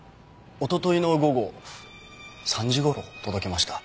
おとといの午後３時頃届けました。